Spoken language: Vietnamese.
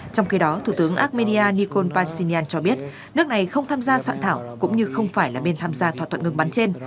trong khi đó thủ tướng armenia nikol pashinyan cho biết nước này không tham gia soạn thảo cũng như không phải là bên tham gia thỏa thuận ngừng bắn trên